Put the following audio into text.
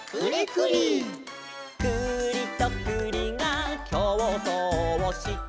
「くりとくりがきょうそうをして」